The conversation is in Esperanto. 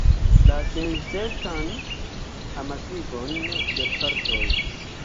La sensencan amasigon de partoj.